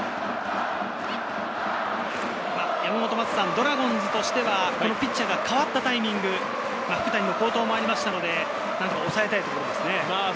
ドラゴンズとしては、ピッチャーが代わったタイミング、福谷の好投もありましたので、おさえたいところですね。